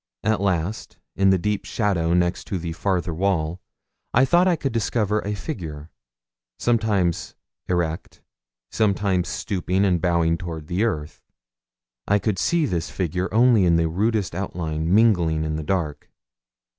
At last, in the deep shadow next the farther wall, I thought I could discover a figure, sometimes erect, sometimes stooping and bowing toward the earth. I could see this figure only in the rudest outline mingling with the dark.